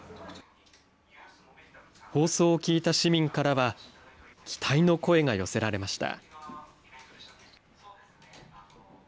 放送を聞いた市民からは、期待の声が寄せられました。